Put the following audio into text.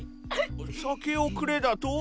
酒をくれだと？